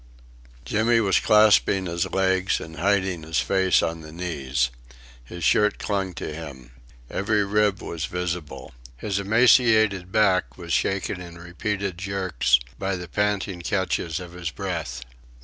Jimmy was clasping his legs and hiding his face on the knees. His shirt clung to him. Every rib was visible. His emaciated back was shaken in repeated jerks by the panting catches of his breath.